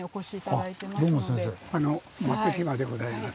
松島でございます。